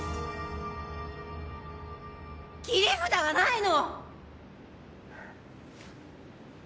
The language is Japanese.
切り札がないの！